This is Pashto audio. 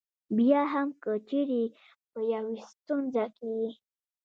بیا هم که چېرې په یوې ستونزه کې یې.